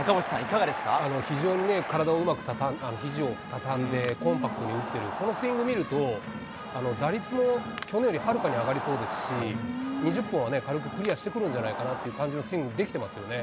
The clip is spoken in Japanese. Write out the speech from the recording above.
非常にね、体をうまく、ひじを畳んで、コンパクトに打ってる、このスイング見ると、打率も去年よりはるかに上がりそうですし、２０本はね、軽くクリアしてくるんじゃないかなというスイングにできてますよね。